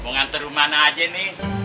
mau nganter rumah aja nih